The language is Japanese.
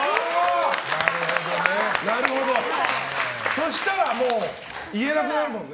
そうしたらもう言えなくなるもんね。